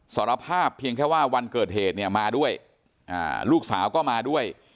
สารภาพเพียงแค่ว่าวันเกิดเหตุเนี่ยมาด้วยลูกสาวก็มาด้วย